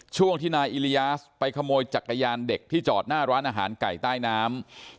ช่วงที่นายอิริยาสไปขโมยจักรยานเด็กที่จอดหน้าร้านอาหารไก่ใต้น้ำ